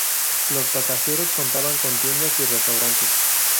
Los pasajeros contaban con tiendas y restaurantes.